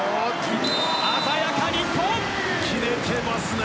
鮮やか、日本。